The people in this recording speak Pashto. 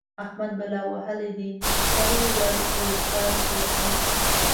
احمد بلا وهلی دی؛ کرۍ ورځ اوزګار پروت وي.